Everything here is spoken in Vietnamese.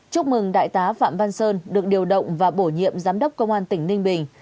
chúc mừng đại tá phạm văn sơn được điều động và bổ nhiệm giám đốc công an tỉnh ninh bình